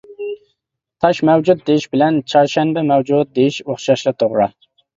«تاش مەۋجۇت» دېيىش بىلەن «چارشەنبە مەۋجۇت» دېيىش ئوخشاشلا توغرا.